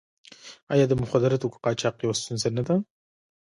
آیا د مخدره توکو قاچاق یوه ستونزه نه ده؟